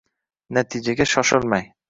Natijaga shoshilmang